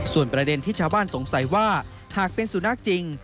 ส่วนประเด็นที่ชาวบ้านสงสัยว่าหากเป็นสุนัขจริง